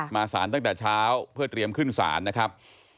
สารตั้งแต่เช้าเพื่อเตรียมขึ้นศาลนะครับ